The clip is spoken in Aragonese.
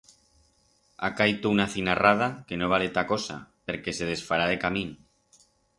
Ha caito una cinarrada que no vale ta cosa perque se desfará decamín.